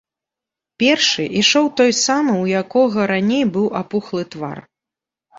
Першы ішоў той самы, у якога раней быў апухлы твар.